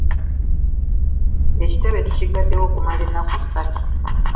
Ekitebe tukiggaddewo okumala ennaku ssatu.